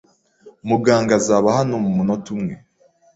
Muganga azaba hano mumunota umwe.